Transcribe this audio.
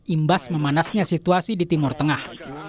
imbas memanasnya situasi di timur tengah